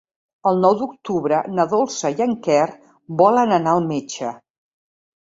El nou d'octubre na Dolça i en Quer volen anar al metge.